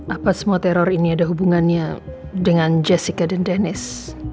apa semua teror ini ada hubungannya dengan jessica dan dennis